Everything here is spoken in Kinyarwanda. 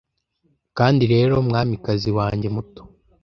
Kandi rero mwamikazi wanjye muto,